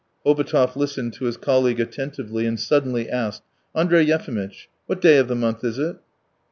Hobotov listened to his colleague attentively and suddenly asked: "Andrey Yefimitch, what day of the month is it?"